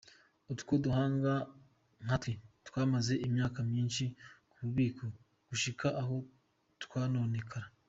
Utwo duhanga kandi twamaze imyaka myinshi mu bubiko gushika aho twononekara.